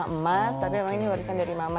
emas tapi emang ini warisan dari mama